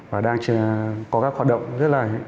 và đang có các hoạt động rất là